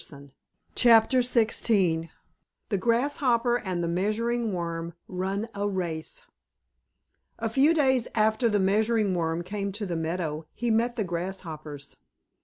The GRASSHOPPER and the MEASURING WORM RUN a RACE A few days after the Measuring Worm came to the meadow he met the Grasshoppers.